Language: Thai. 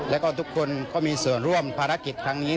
แล้วก็ทุกคนก็มีส่วนร่วมภารกิจครั้งนี้